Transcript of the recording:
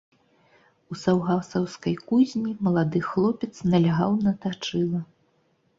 У саўгасаўскай кузні малады хлопец налягаў на тачыла.